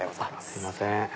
すいません。